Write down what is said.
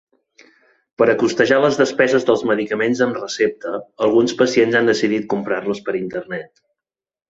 Per a costejar les despeses dels medicaments amb recepta, alguns pacients han decidit comprar-los per Internet.